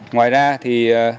ngoài ra thì